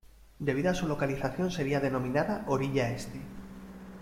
Debido a su localización sería denominada "Orilla este".